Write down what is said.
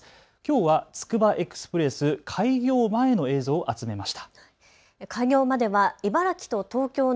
きょうはつくばエクスプレス開業前の映像を集めました。